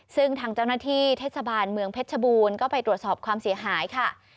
ซึ่งทางเจ้าหน้าที่เทศบาลเมืองเพชรชบูรณ์ก็ไปตรวจสอบความเสียหายค่ะ